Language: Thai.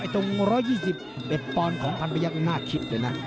ตรง๑๒๐เป็ดปอนด์ของภัณฑยกฤทธิ์นั่นน่าคิดเลยนะ